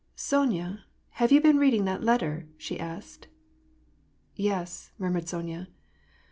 << Sonya, have you been reading that letter ?" she asked. " Yes," murmured Sonya.